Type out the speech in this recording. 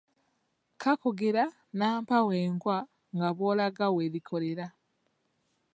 Kakugira nnampawengwa nga bw’olaga we likolera.